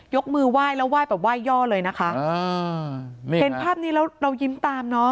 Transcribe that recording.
ยกมือไหว้แล้วไหว้แบบไห้ยย่อเลยนะคะอ่านี่เห็นภาพนี้แล้วเรายิ้มตามเนอะ